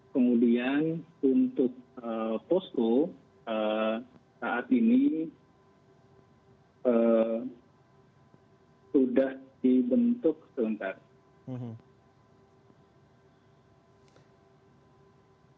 kemudian untuk posko saat ini sudah dibentuk sementara